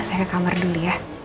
saya ke kamar dulu ya